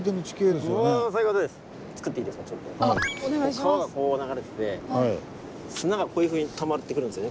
川がこう流れてて砂がこういうふうにたまってくるんですよね